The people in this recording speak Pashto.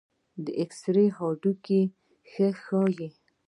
د ایکسرې هډوکي ښه ښيي.